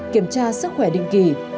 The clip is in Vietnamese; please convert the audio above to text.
kiểm tra sức khỏe định kỳ